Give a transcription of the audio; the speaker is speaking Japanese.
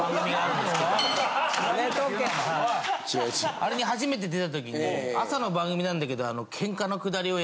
あれに初めて出た時に朝の番組なんだけど。